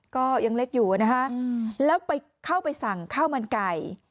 ก็ยังเล็กอยู่นะฮะแล้วไปเข้าไปสั่งข้าวมันไก่